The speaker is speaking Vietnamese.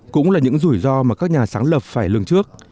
cũng là những rủi ro mà các nhà sáng lập phải lường trước